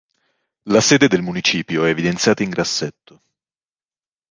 La sede del municipio è evidenziata in grassetto.